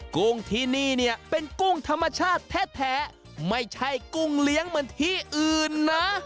กุ้งที่นี่เนี่ยเป็นกุ้งธรรมชาติแท้ไม่ใช่กุ้งเลี้ยงเหมือนที่อื่นนะ